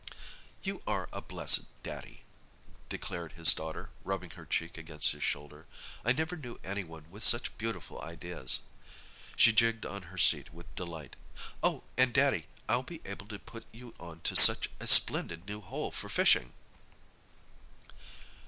"You are a blessed Daddy," declared his daughter rubbing her cheek against his shoulder. "I never knew anyone with such beautiful ideas." She jigged on her seat with delight. "Oh, and, Daddy, I'll be able to put you on to such a splendid new hole for fishing!"